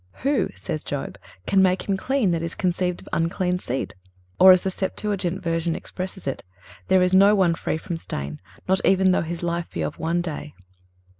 (332) "Who," says Job, "can make him clean that is conceived of unclean seed," or, as the Septuagint version expresses it: "There is no one free from stain, not even though his life be of one day."